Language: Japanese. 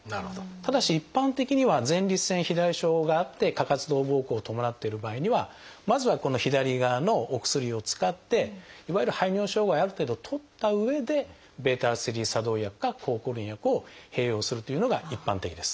ただし一般的には前立腺肥大症があって過活動ぼうこうを伴っている場合にはまずはこの左側のお薬を使っていわゆる排尿障害をある程度取ったうえでβ作動薬か抗コリン薬を併用するというのが一般的です。